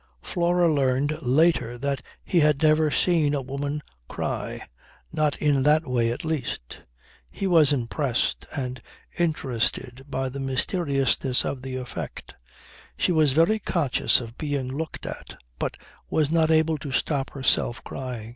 Flora learned later that he had never seen a woman cry; not in that way, at least. He was impressed and interested by the mysteriousness of the effect. She was very conscious of being looked at, but was not able to stop herself crying.